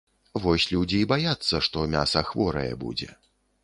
Вось людзі і баяцца, што мяса хворае будзе.